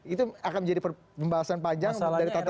itu akan menjadi pembahasan panjang dari tata negara